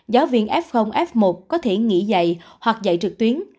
giáo viên f f một có thể nghỉ dạy hoặc dạy trực tuyến